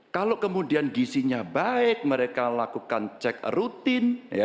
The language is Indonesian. kalau kemudian gizinya baik mereka lakukan cek rutin